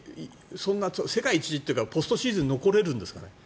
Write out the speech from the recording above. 世界一というかポストシーズンに残れるんですかね？